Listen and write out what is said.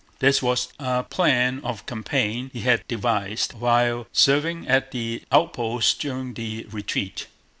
This was a plan of campaign he had devised while serving at the outposts during the retreat.